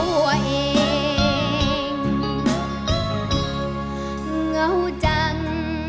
เหงาจัง